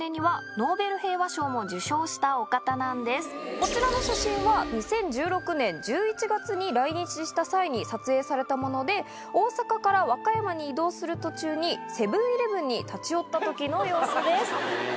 こちらの写真は２０１６年１１月に来日した際に撮影されたもので大阪から和歌山に移動する途中にセブン−イレブンに立ち寄った時の様子です。